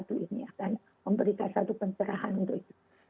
dan memberikan satu pencerahan untuk itu